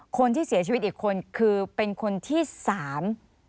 คนที่เสียชีวิตอีกคนคือเป็นคนที่สาม